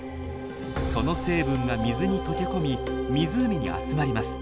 その成分が水に溶け込み湖に集まります。